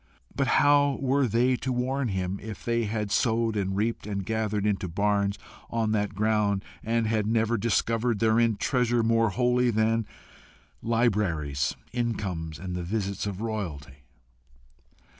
But how were they to warn him, if they had sowed and reaped and gathered into barns on that ground, and had never discovered therein treasure more holy than libraries, incomes, and the visits of royalty?